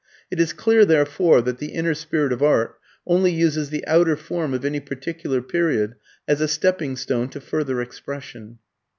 It is clear, therefore, that the inner spirit of art only uses the outer form of any particular period as a stepping stone to further expression.